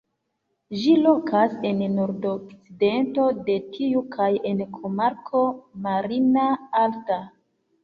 Ĝi lokas en nordokcidento de tiu kaj en komarko "Marina Alta".